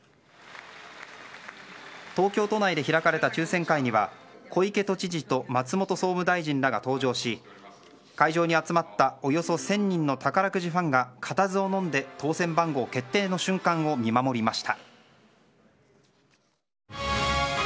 東京都内で開かれた抽選会には小池都知事と松本総務大臣らが登場し会場に集まったおよそ１０００人の宝くじファンが固唾をのんで当せん番号決定の瞬間を見守りました。